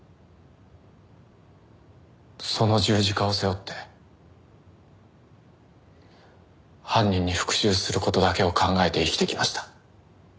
その十字架を背負って犯人に復讐する事だけを考えて生きてきました。